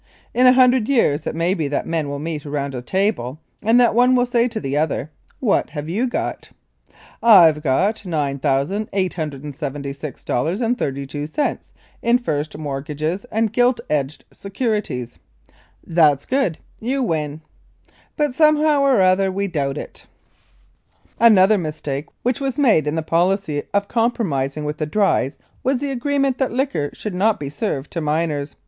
In a hundred years it may be that men will meet around a table and that one will say to the other, "What have you got?" "I've got $9,876.32 in first mortgages and gilt edged securities." "That's good. You win." But somehow or other we doubt it. Another mistake which was made in the policy of compromising with the drys was the agreement that liquor should not be served to minors.